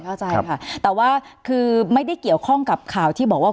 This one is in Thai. เข้าใจค่ะแต่ว่าคือไม่ได้เกี่ยวข้องกับข่าวที่บอกว่า